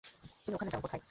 তুমি ওখানে যাও - কোথায়?